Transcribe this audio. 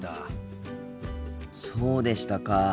そうでしたか。